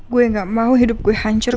gue gak mau hidup gue hancur